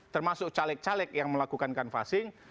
termasuk caleg caleg yang melakukan kanvasing